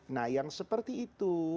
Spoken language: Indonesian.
nah yang seperti itu